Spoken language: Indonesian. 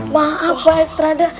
maaf pak estrada